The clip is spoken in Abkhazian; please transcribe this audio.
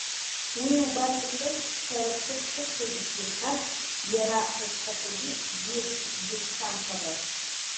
Уи убас иҳәеит, сара аԥсык сыгхеит исирҳәарц, иара са схаҭагьы бзиа дышсамхабаз.